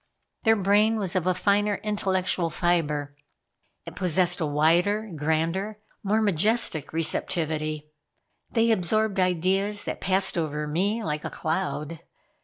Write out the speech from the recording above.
Their brain was of a finer intellectual fiber. It possessed a wider, grander, more majestic receptivity. They absorbed ideas that passed over me like a cloud.